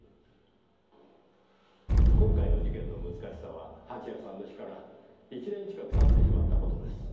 今回の事件の難しさは蜂矢さんの死から１年近く経ってしまった事です。